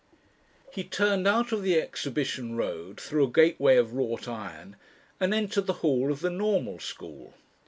He turned out of the Exhibition Road through a gateway of wrought iron, and entered the hall of the Normal School.